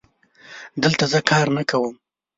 دلته زه کار نه کوم